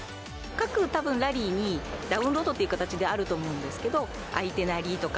各ラリーにダウンロードっていう形であると思うんですけどアイテナリーとか。